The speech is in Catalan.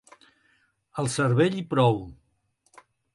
El cervell i prou.